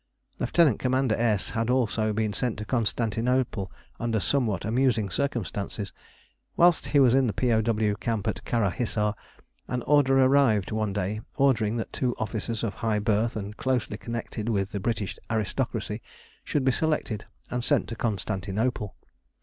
Lieut. Commander S had also been sent to Constantinople under somewhat amusing circumstances. Whilst he was in the P.O.W. camp at Kara Hissar an order arrived one day ordering that two officers of high birth and closely connected with the British aristocracy should be selected and sent to Constantinople.